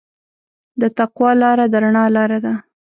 د تقوی لاره د رڼا لاره ده.